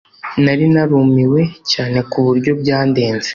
Nari narumiwe cyane kuburyo byandenze.